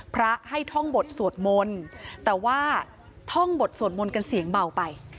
พระให้ท่องบทสวดมนต์แต่ว่าท่องบทสวดมนต์กันเสียงเบาไป